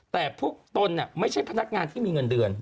แต่พวกตนไม่ใช่พนักงานที่มีเงินเดือน